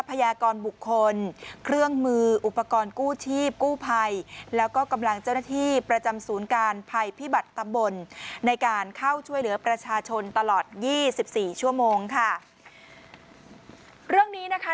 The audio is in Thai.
ผู้ภัยแล้วก็กำลังเจ้าหน้าที่ประจำศูนย์การภัยพิบัตรตำบลในการเข้าช่วยเหลือประชาชนตลอดยี่สิบสี่ชั่วโมงค่ะเรื่องนี้นะคะ